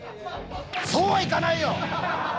そうはいかないよ！